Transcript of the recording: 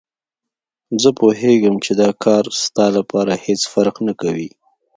زه پوهېږم چې دا کار ستاسو لپاره هېڅ فرق نه کوي.